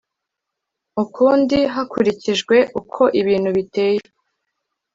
ukundi hakurikijwe uko ibintu biteye